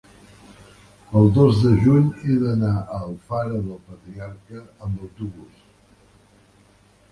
El dos de juny he d'anar a Alfara del Patriarca amb autobús.